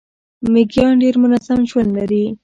میږیان ډیر منظم ژوند لري